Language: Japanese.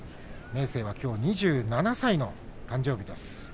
明生はきょう２７歳の誕生日です。